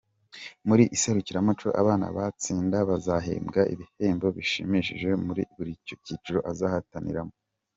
Muri iri serukiramuco abana bazatsinda bazahembwa ibihembo bishimishije muri buri cyiciro azahataniramo.